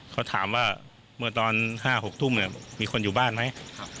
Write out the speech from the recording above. เขาถามว่าเมื่อตอน๕๖ทุ่มมีคนอยู่บ้านไหม